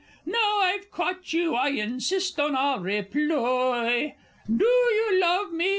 Now I've caught you, I insist on a reploy. Do you love me?